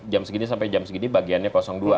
jam segini sampai jam segini bagiannya dua